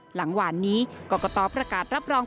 หลังวานนี้ก็กระตอบประกาศรับรอง